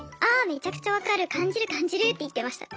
めちゃくちゃ分かる感じる感じるって言ってました。